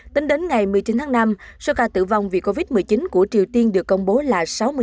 tính đến ngày một mươi chín tháng năm số ca tử vong vì covid một mươi chín của triều tiên được công bố là sáu mươi ca